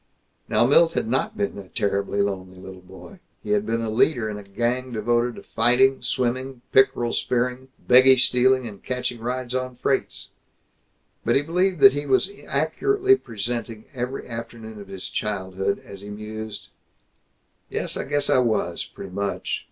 Now Milt had not been a terribly lonely little boy. He had been a leader in a gang devoted to fighting, swimming, pickerel spearing, beggie stealing, and catching rides on freights. But he believed that he was accurately presenting every afternoon of his childhood, as he mused, "Yes, I guess I was, pretty much.